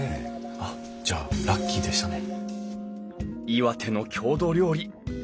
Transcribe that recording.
あっじゃあラッキーでしたね。